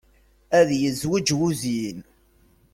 Ad yezweǧ wuzyin.